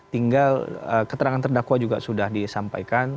tinggal keterangan terdakwa juga sudah disampaikan